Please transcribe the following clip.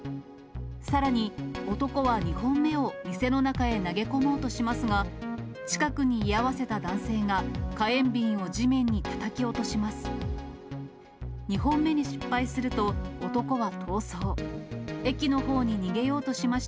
さらに、男は２本目を店の中へ投げ込もうとしますが、近くに居合わせた男性が火炎瓶を地面にたたき落とします。